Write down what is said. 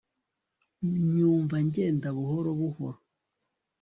nyumva ngenda buhoro buhoru